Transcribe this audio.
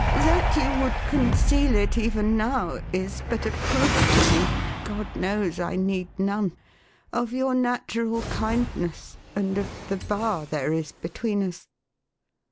That you would conceal it, even now, is but a proof to me (God knows I need none !) of your natural kindness, and of the bar there is between us."